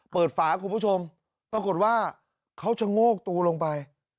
ฝาคุณผู้ชมปรากฏว่าเขาชะโงกตัวลงไป